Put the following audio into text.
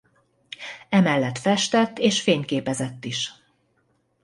Emellett festett és fényképezett is.